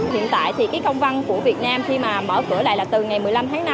hiện tại thì cái công văn của việt nam khi mà mở cửa lại là từ ngày một mươi năm tháng năm